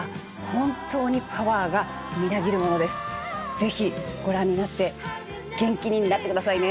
是非ご覧になって元気になってくださいね。